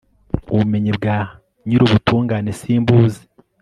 ubumenyi bwa nyir'ubutungane simbuzi